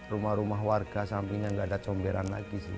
rumah rumah warga sampingnya nggak ada comberan lagi sih